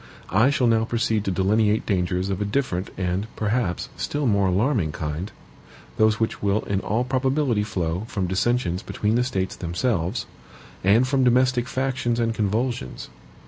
I shall now proceed to delineate dangers of a different and, perhaps, still more alarming kind those which will in all probability flow from dissensions between the States themselves, and from domestic factions and convulsions.